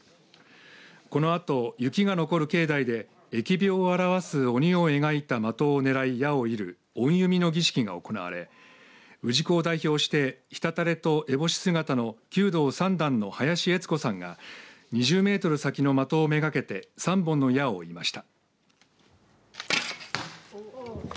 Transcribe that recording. このあと雪が残る境内で疫病を表す鬼を描いた的を狙い矢を射る御弓の儀式が行われ氏子を代表して、ひたたれとえぼし姿の弓道３段の林悦子さんが２０メートル先の的を目がけて３本の矢を射ました。